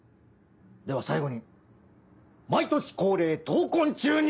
では最後に毎年恒例闘魂注入を。